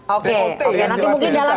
oke nanti mungkin dalam